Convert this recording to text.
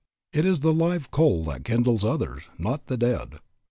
"It is the live coal that kindles others, not the dead."